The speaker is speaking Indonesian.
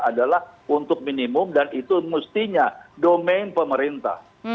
adalah untuk minimum dan itu mestinya domain pemerintah